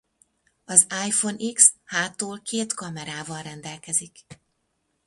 Az iPhone X hátul két kamerával rendelkezik.